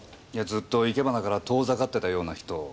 ずっと生け花から遠ざかっていたような人を。